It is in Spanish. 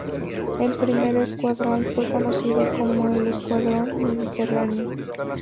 El primer escuadrón fue conocido como el "Escuadrón Mediterráneo".